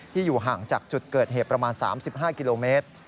อยู่ห่างจากจุดเกิดเหตุประมาณ๓๕กิโลเมตร